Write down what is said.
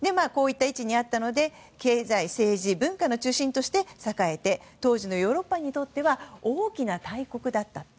こういった位置にあったので政治・経済・文化の中心になって栄えて当時のヨーロッパにとっては大きな大国だった。